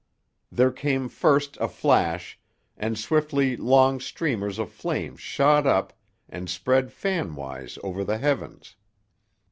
There came first a flash, and swiftly long streamers of flame shot up and spread fanwise over the heavens.